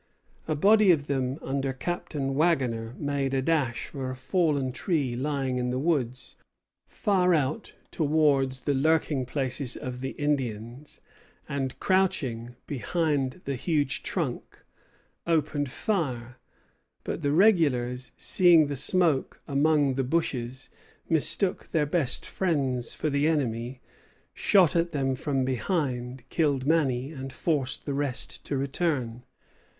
A body of them under Captain Waggoner made a dash for a fallen tree lying in the woods, far out towards the lurking places of the Indians, and, crouching behind the huge trunk, opened fire; but the regulars, seeing the smoke among the bushes, mistook their best friends for the enemy, shot at them from behind, killed many, and forced the rest to return.